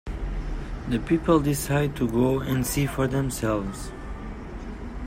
The people decide to go and see for themselves.